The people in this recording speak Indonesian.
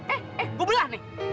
eh eh gue belah nih